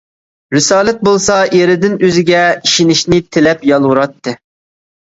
رىسالەت بولسا ئېرىدىن ئۆزىگە ئىشىنىشىنى تىلەپ يالۋۇراتتى.